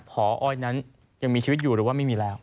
พออ้อยนั้นยังมีชีวิตอยู่หรือว่าไม่มีแล้ว